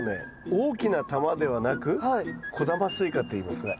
大きな玉ではなく小玉スイカといいますこれ。